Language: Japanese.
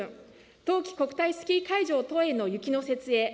冬季国体スキー会場等への雪の設営。